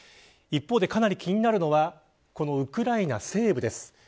一方で、かなり気になるのはウクライナ西部です。